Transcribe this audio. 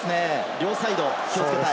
両サイド、気をつけたい。